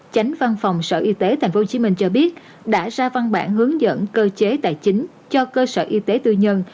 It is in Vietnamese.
chánh văn phòng sở y tế tp hcm cho biết đã ra văn bản hướng dẫn cơ chế tài chính cho cơ sở y tế tư nhân